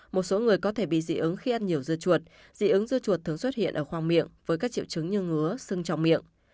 một số người có thể bị dị ứng khi ăn nhiều dư chuột dị ứng dư chuột thường xuất hiện ở khoang miệng với các triệu chứng như ngứa sưng trọng miệng